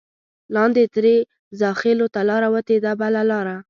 لاندې ترې زاخېلو ته لاره وتې ده بله لاره.